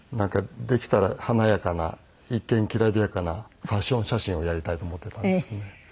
できたら華やかな一見きらびやかなファッション写真をやりたいと思ってたんですね。